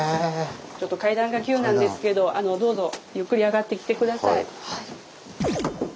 ちょっと階段が急なんですけどどうぞゆっくり上がってきて下さい。